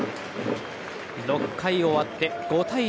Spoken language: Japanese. ６回終わって、５対０。